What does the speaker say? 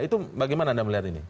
itu bagaimana anda melihat ini